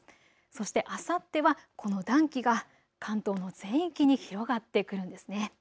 そして、あさってはこの暖気が関東の全域に広がってくるんですね。